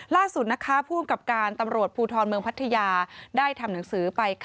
ล่าสุดภูมิกับการตำรวจภูทรเมืองพัทยาได้ทำหนังสือไป